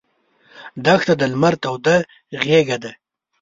دښته د لمر توده غېږه ده.